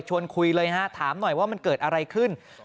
คุยเลยฮะถามหน่อยว่ามันเกิดอะไรขึ้น